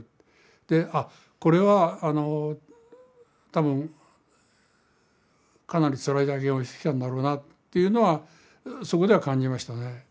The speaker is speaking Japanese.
これは多分かなりつらい体験をしてきたんだろうなというのはそこでは感じましたね。